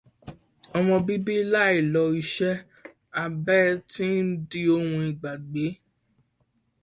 Ọmọ bíbí láì lo iṣẹ́ abẹ ti ń di ohun ìgbàgbé.